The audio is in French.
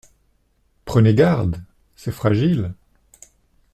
Prenez garde… c’est fragile.